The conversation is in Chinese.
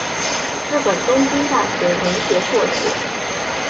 日本东京大学农学硕士。